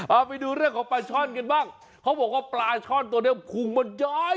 เอาไปดูเรื่องของปลาช่อนกันบ้างเขาบอกว่าปลาช่อนตัวเนี้ยพุงมันย้อย